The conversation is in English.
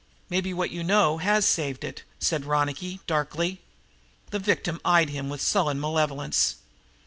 "Maybe what you know has saved it," said Ronicky darkly. His victim eyed him with sullen malevolence.